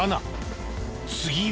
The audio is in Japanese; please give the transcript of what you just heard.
次は。